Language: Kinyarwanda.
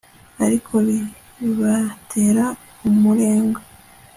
ariko bibatera umurengwe